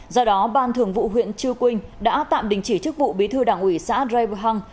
do đó ban thường vụ huyện chư quynh đã tạm đình chỉ chức vụ bí thư đảng ủy xã drei bờ hăng